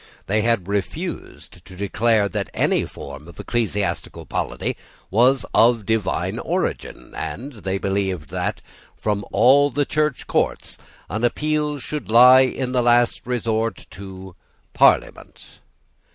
They had refused to declare that any form of ecclesiastical polity was of divine origin; and they had provided that, from all the Church courts, an appeal should lie in the last resort to Parliament.